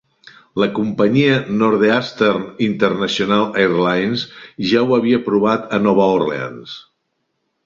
La companyia Northeastern International Airlines ja ho havia provat a Nova Orleans.